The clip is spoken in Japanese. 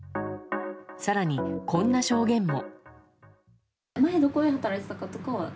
更にこんな証言も。